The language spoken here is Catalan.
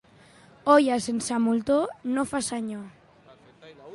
Olla sense moltó no fa senyor.